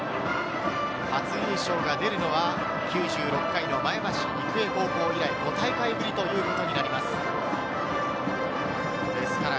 初優勝が出るのは９６回の前橋育英高校以来、５大会ぶりということになります。